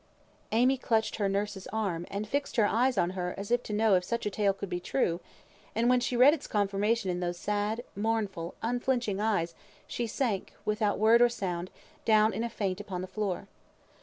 Amy clutched her nurse's arm, and fixed her eyes on her as if to know if such a tale could be true; and when she read its confirmation in those sad, mournful, unflinching eyes, she sank, without word or sound, down in a faint upon the floor.